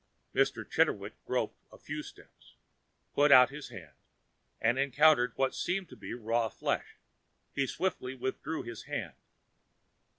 Mr. Chitterwick groped a few steps, put out his hand and encountered what seemed to be raw flesh; he swiftly withdrew his hand.